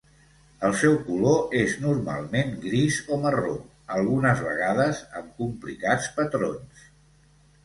El seu color és normalment gris o marró, algunes vegades amb complicats patrons.